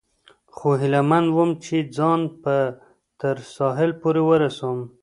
خو هیله من ووم، چې ځان به تر ساحل پورې ورسوم.